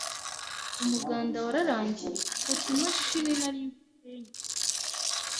umuganda wararangiye mfata imachini nari mfite ya nyishyira